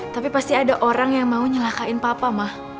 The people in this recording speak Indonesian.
tapi pasti ada orang yang mau nyelakain papa mah